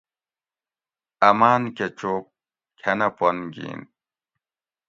آمان کہ چو کھنہ پن گین